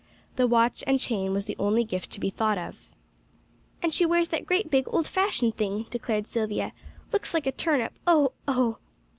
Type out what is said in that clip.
The watch and chain was the only gift to be thought of. "And she wears that great big old fashioned thing," declared Silvia; "looks like a turnip oh, oh!"